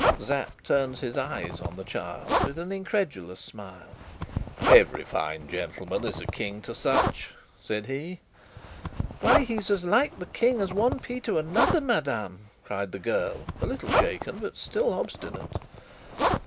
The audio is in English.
Sapt turned his eyes on the child with an incredulous smile. "Every fine gentleman is a King to such," said he. "Why, he's as like the King as one pea to another, madame!" cried the girl, a little shaken but still obstinate.